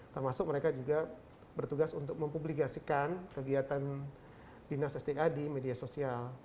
termasuk mereka juga bertugas untuk mempubligasikan kegiatan dinas sda di media sosial